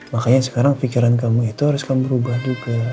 makanya sekarang pikiran kamu itu harus kamu berubah juga